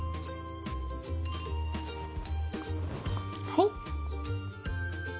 はい。